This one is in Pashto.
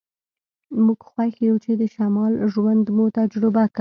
موږ خوښ یو چې د شمال ژوند مو تجربه کړ